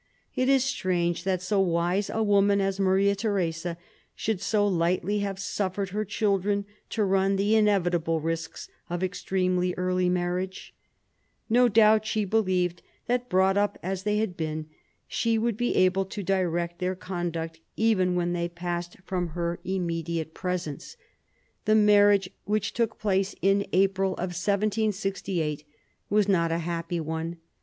It is strange that so wise a woman as Maria Theresa should so lightly have suffered her children to run the inevitable risks of extremely early marriage. No doubt she believed that, brought up as they had been, she would still be able to direct their conduct even when they had passed from her immediate wmm 220 THE CO REGENTS chap, x presence. The marriage, which took place in April 1768, was not a happy one.